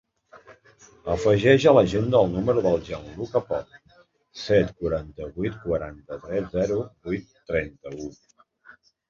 Afegeix a l'agenda el número del Gianluca Pop: set, quaranta-vuit, quaranta-tres, zero, vuit, trenta-u.